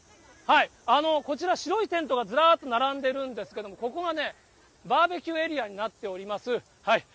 こちら、白いテントがずらっと並んでるんですけど、ここがね、バーベキューエリアになっております。